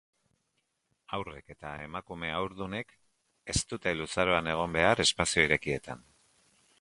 Haurrek eta emakume haurdunek ez dute luzaroan egon behar espazio irekietan.